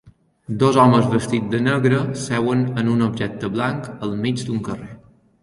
Dos homes vestits de negre seuen en un objecte blanc al mig d'un carrer.